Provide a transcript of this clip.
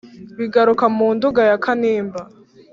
bigaruka mu nduga ya kanimba